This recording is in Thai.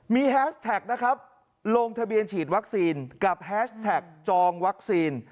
มีแฮสแท็กนะครับลงทะเบียนฉีดวัคซีนกับแฮชแท็กจองวัคซีน